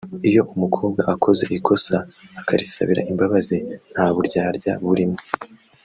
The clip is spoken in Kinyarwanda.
iyo umukobwa akoze ikosa akarisabira imbabazi nta buryarya burimo